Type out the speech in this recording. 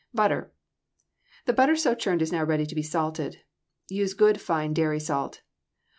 =Butter.= The butter so churned is now ready to be salted. Use good fine dairy salt.